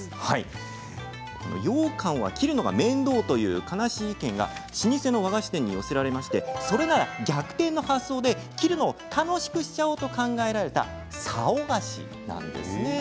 ようかんは切るのが面倒という悲しい意見が老舗の和菓子店に寄せられそれなら逆転の発想で切るのを楽しくしようと考えられた棹菓子です。